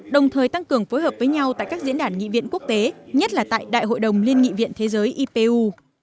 đồng thời tăng cường phối hợp với nhau tại các diễn đàn nghị viện quốc tế nhất là tại đại hội đồng liên nghị viện thế giới ipu